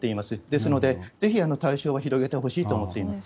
ですので、ぜひ対象は広げてほしいと思っています。